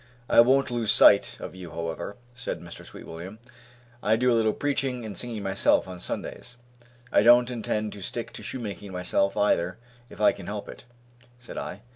"I won't lose sight of you, however," said Mr. Sweetwilliam, "I do a little preaching and singing myself on Sundays." "I don't intend to stick to shoemaking myself either if I can help it," said I.